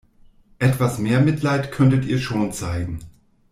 Etwas mehr Mitleid könntet ihr schon zeigen!